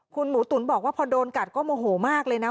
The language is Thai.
คุณหมูตุ๋นบอกว่าพอโดนกัดก็โมโหมากเลยนะ